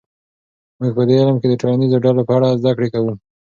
موږ په دې علم کې د ټولنیزو ډلو په اړه زده کړه کوو.